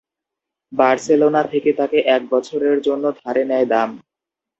Barcelona থেকে তাকে এক বছরের জন্য ধারে নেয় দাম।